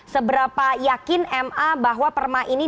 seberapa yakin ma bahwa perma ini